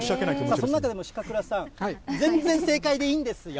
そんな中でも鹿倉さん、全然正解でいいんですよ。